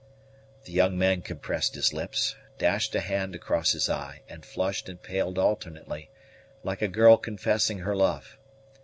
The young man compressed his lips, dashed a hand across his eye, and flushed and paled alternately, like a girl confessing her love.